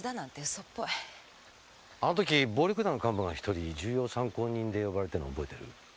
あの時暴力団の幹部が１人重要参考人で呼ばれたの覚えてる？